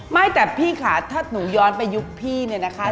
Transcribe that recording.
ไม่แต่พี่ค่ะถ้าหนูย้อนไปยุคพี่เนี่ยนะคะ